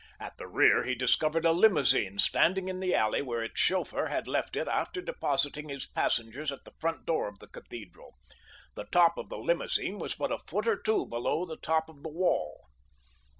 At the rear he discovered a limousine standing in the alley where its chauffeur had left it after depositing his passengers at the front door of the cathedral. The top of the limousine was but a foot or two below the top of the wall.